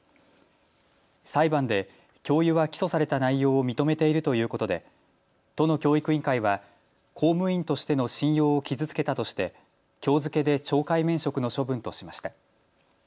裁判で教諭は起訴された内容を認めているということで都の教育委員会は公務員としての信用を傷つけたとしてきょう付けで懲戒免職の処分としました。